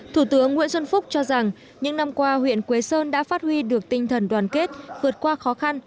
thủ tướng nguyễn xuân phúc cho rằng những năm qua huyện quế sơn đã phát huy được tinh thần đoàn kết vượt qua khó khăn